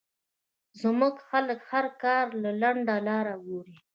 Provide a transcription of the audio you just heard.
زمونږ خلک هر کار له لنډه لار ګوري